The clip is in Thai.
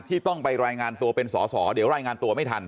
ต้องไปรายงานตัวเป็นสอสอเดี๋ยวรายงานตัวไม่ทัน